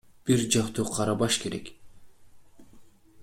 Бир жактуу карабаш керек.